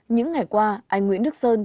những ngày qua anh nguyễn đức sơn